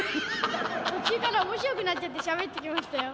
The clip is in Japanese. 途中から面白くなっちゃってしゃべってきましたよ。